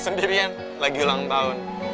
sendirian lagi ulang tahun